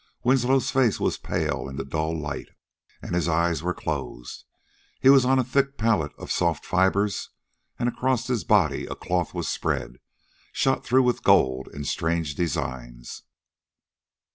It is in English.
Winslow's face was pale in the dull light, and his eyes were closed. He was on a thick pallet of soft fibers and across his body a cloth was spread, shot through with gold in strange designs.